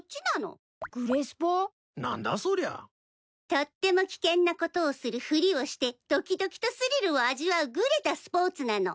とっても危険なことをするふりをしてドキドキとスリルを味わうグレたスポーツなの。